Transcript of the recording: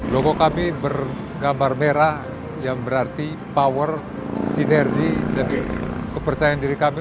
logo kami bergambar merah yang berarti power sinergi dan kepercayaan diri kami